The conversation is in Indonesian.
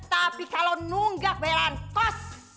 tapi kalau nunggak belan kos